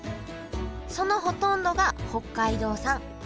そのほとんどが北海道産。